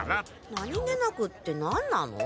何気なくって何なの？